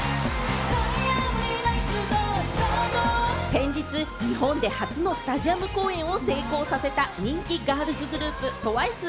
先日、日本で初のスタジアム公演を成功させた人気ガールズグループ・ＴＷＩＣＥ。